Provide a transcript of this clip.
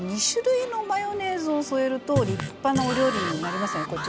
２種類のマヨネーズを添えると立派なお料理になりますよね。